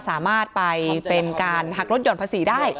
สามารถไปเป็นการหักลดหย่อนภาษีได้